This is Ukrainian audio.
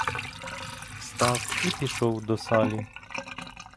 Встав і пішов до салі.